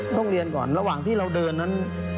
ต้องเรียนก่อนระหว่างที่เราเดินนั้น